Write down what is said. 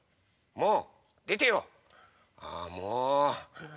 もう！